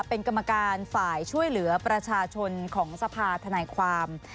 เป็นกรรมการฝ่ายช่วยเหลือประชาชนของสภาธนายความ